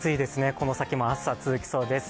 この先も暑さ、続きそうです。